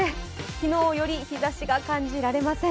昨日より日ざしが感じられません。